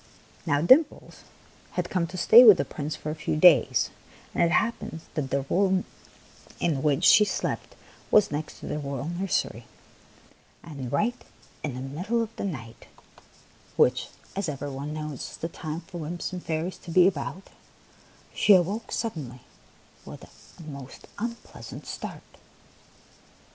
Now, Dimples had come to stay with the Prince for a few days, and it happened that the room in which she slept was next to the royal nursery ; and right in the middle of the night — THE PALACE ON THE FLOOR ^33 which, as every one knows, is the time for wymps and fairies to be about — she awoke sud denly with a most unpleasant start.